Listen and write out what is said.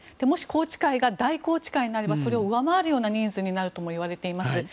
もし、宏池会が大宏池会になればそれを上回るような人数になるといわれています。